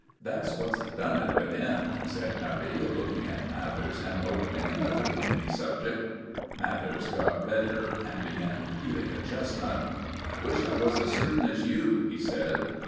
"That's what's done it with M.," said Nubby, looking at Mathers and opening another gloomy subject. Mathers got redder, and began peeling a chestnut. "I wish I was as certain as you," he said.